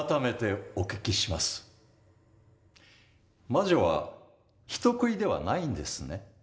魔女は人食いではないんですね？